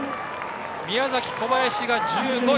宮崎・小林が１５位。